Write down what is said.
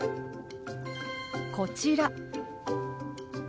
こちら。